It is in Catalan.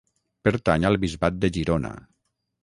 Pertany al Bisbat de Girona.